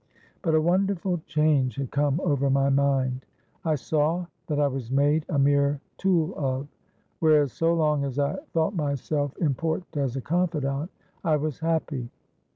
But a wonderful change had come over my mind. I saw that I was made a mere tool of; whereas so long as I thought myself important as a confidant, I was happy.